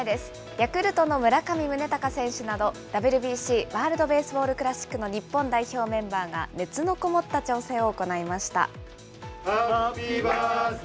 ヤクルトの村上宗隆選手など、ＷＢＣ・ワールドベースボールクラシックの日本代表メンバーが、熱のこもった調整を行いました。